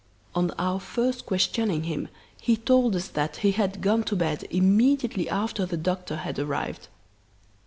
"On our first questioning him he told us that he had gone to bed immediately after the doctor had arrived.